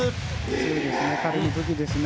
強いですね。